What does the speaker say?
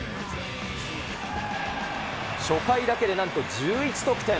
初回だけでなんと１１得点。